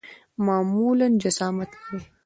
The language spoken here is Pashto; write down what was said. معمولاً جسامت لري.